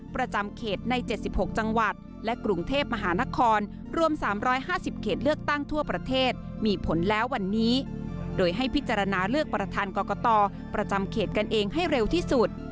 พิจารณาเลือกประธานกรกฏอประจำเขตกันเองให้เร็วที่สุด